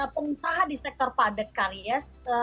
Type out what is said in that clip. pengusaha di sektor padat kali ya